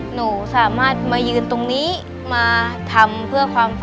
หนูรู้สึกดีมากเลยค่ะ